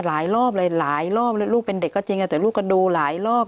ลหลายรอบเลยลูกเป็นเด็กก็จริงเลยแต่ลูกก็ดูลหลายรอบ